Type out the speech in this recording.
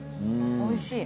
おいしい。